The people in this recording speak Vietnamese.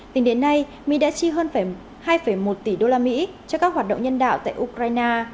tính đến nay mỹ đã chi hơn hai một tỷ đô la mỹ cho các hoạt động nhân đạo tại ukraine